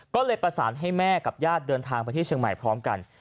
ก็เลยประสานให้แม่กับญาติเดินทางไปที่เชียงใหม่พร้อมกัน